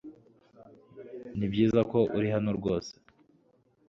Nibyiza ko uri hano ryose